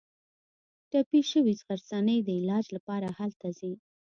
ټپي شوې غرڅنۍ د علاج لپاره هلته ځي.